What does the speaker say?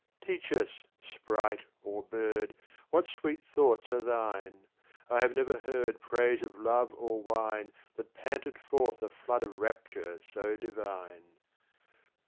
Teach us, sprite or bird, What sweet thoughts are thine: I have never heard Praise of love or wine That panted forth a flood of rapture so divine.